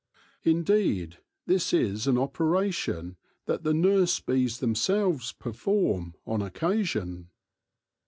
Indeed, this is an operation that the nurse bees themselves perform, on occasion.